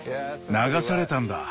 流されたんだ。